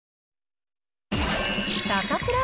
サタプラ。